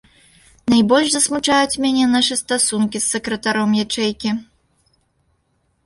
Найбольш засмучаюць мяне нашы стасункі з сакратаром ячэйкі.